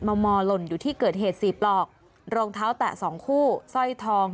มอหล่นอยู่ที่เกิดเหตุสี่ปลอกรองเท้าแตะสองคู่สร้อยทอง